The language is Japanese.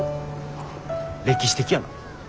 歴史的やな。